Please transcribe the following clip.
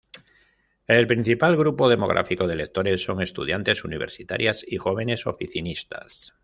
El principal grupo demográfico de lectores son estudiantes universitarias y jóvenes oficinistas.